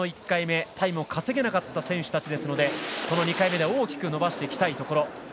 １回目でタイムを稼げなかった選手なので２回目で大きく伸ばしていきたいところ。